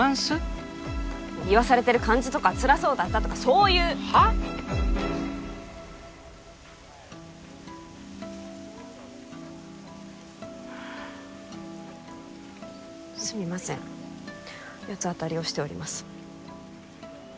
言わされてる感じとかつらそうだったとかそういうはっ？はあすみません八つ当たりをしております